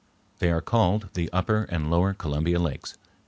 They are called the Upper and Lower Columbia Lakes.